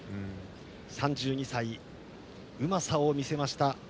３２歳うまさを見せました